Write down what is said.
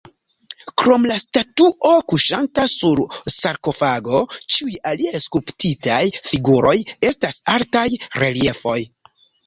Krom la statuo kuŝanta sur la sarkofago, ĉiuj aliaj skulptitaj figuroj estas altaj reliefoj.